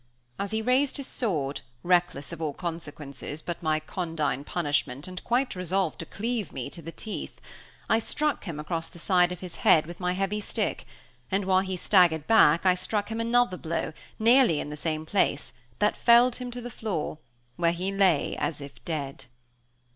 As he raised his sword, reckless of all consequences but my condign punishment and quite resolved to cleave me to the teeth, I struck him across the side of his head with my heavy stick, and while he staggered back I struck him another blow, nearly in the same place, that felled him to the floor, where he lay as if dead.